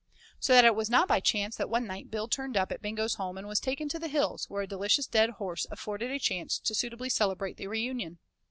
So that it was not by chance that one night Bill turned up at Bingo's home and was taken to the hills, where a delicious dead horse afforded a chance to suitably celebrate the reunion.